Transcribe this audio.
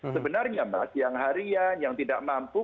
sebenarnya mas siang harian yang tidak mampu